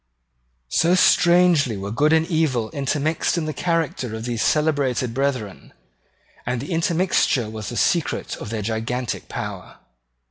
So strangely were good and evil intermixed in the character of these celebrated brethren; and the intermixture was the secret of their gigantic power.